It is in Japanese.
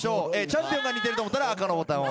チャンピオンが似てると思ったら赤のボタンを。